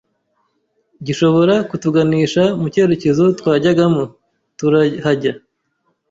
gishobora kutuganisha mu cyerekezo twajyagamo turahajya